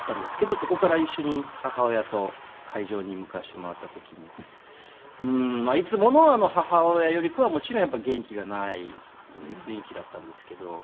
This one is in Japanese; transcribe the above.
そこから一緒に母親と会場に向かわせてもらった時にいつもの母親よりかはもちろんやっぱり元気がない雰囲気だったんですけど。